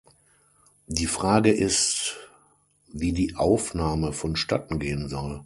Die Frage ist, wie die Aufnahme vonstatten gehen soll.